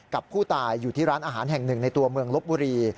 กับผู้ตายอยู่ที่ร้านอาหารแห่งหนึ่งในตัวเมืองลบบุรี